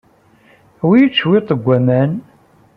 Awey-iyi-d cwiṭ n waman.